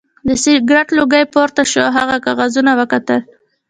د سګرټ لوګی پورته شو او هغه کاغذونه وکتل